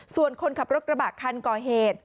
ส่วนคนขับรถกระบะคันก่อเหตุ